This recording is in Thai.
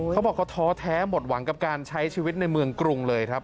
เขาบอกเขาท้อแท้หมดหวังกับการใช้ชีวิตในเมืองกรุงเลยครับ